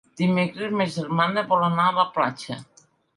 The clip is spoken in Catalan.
Dimecres ma germana vol anar a la platja.